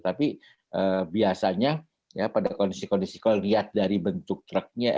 tapi biasanya ya pada kondisi kondisi kalau lihat dari bentuk truknya